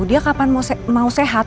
dia kapan mau sehat